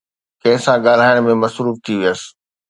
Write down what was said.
ڪنهن سان ڳالهائڻ ۾ مصروف ٿي ويس